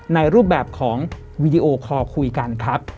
ในรูปแบบของวีดีโอคอลคุยกันครับ